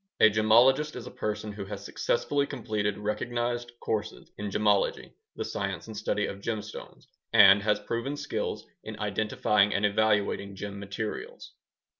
A gemologist is a person who has successfully completed recognized courses in gemology (the science and study of gemstones) and has proven skills in identifying and evaluating gem materials.